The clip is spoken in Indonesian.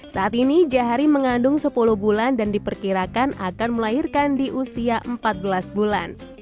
saat ini jahari mengandung sepuluh bulan dan diperkirakan akan melahirkan di usia empat belas bulan